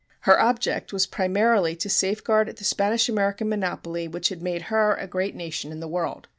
Her object was primarily to safeguard the Spanish American monopoly which had made her a great nation in the world.